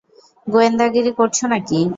গোয়েন্দাগিরি করছো নাকি?